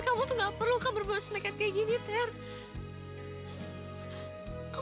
ter kamu tuh gak perlu kan berbuat senang hati kayak gini ter